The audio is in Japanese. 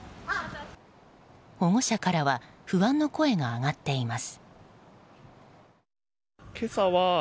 保護者からは不安の声が上がっています。